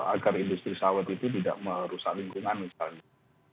agar industri sawit itu tidak merusak lingkungan misalnya